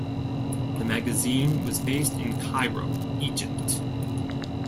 The magazine was based in Cairo, Egypt.